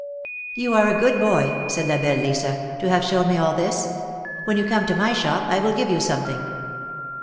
"You are a good boy," said La belle Lisa, "to have shown me all this. When you come to my shop I will give you something."